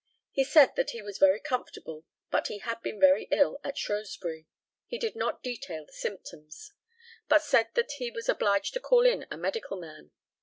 He said that he was very comfortable, but he had been very ill at Shrewsbury. He did not detail the symptoms, but said that he was obliged to call in a medical man.